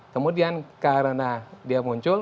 kemudian karena dia muncul